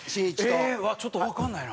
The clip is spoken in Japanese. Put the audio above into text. ちょっとわからないな。